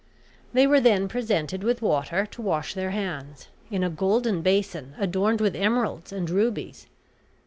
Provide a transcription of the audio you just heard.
They were then presented with water to wash their hands, in a golden basin adorned with emeralds and rubies.